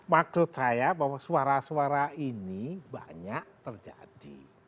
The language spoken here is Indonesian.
maksud saya bahwa suara suara ini banyak terjadi